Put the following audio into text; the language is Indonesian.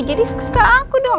jadi suka suka aku dong